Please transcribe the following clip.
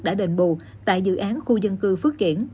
đã đền bù tại dự án khu dân cư phước kiển